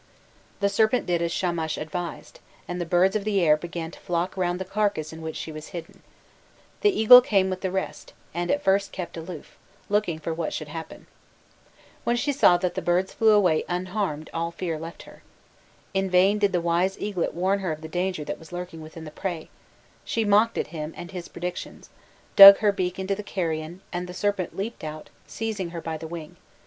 The serpent did as Shamash advised, and the birds of the air began to flock round the carcase in which she was hidden. The eagle came with the rest, and at first kept aloof, looking for what should happen. When she saw that the birds flew away unharmed all fear left her. In vain did the wise eaglet warn her of the danger that was lurking within the prey; she mocked at him and his predictions, dug her beak into the carrion, and the serpent leaping out seized her by the wing.